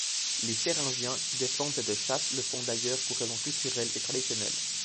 Les Féringiens qui défendent cette chasse le font d'ailleurs pour raison culturelle et traditionnelle.